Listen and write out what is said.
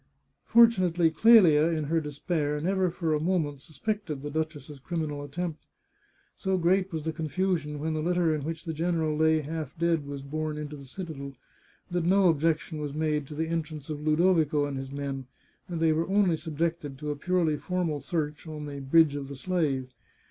Fortunately Clelia, in her despair, never for a moment suspected the duchess's criminal attempt. So great was the confusion, when the litter in which the general lay half dead was borne into the citadel, that no objection was made to the entrance of Ludovico and his men, and they were only subjected to a purely formal search on the " Bridge of the Slave."